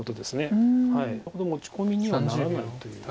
持ち込みにはならないという。